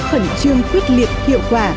khẩn trương quyết liệt hiệu quả